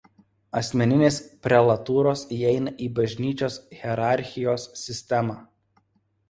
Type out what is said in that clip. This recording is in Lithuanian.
Asmeninės prelatūros įeina į Bažnyčios hierarchijos sistemą.